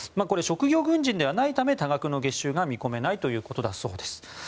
これ職業軍人ではないため多額の収入が見込めないということだそうです。